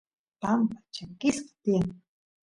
pampa chakisqa tiyan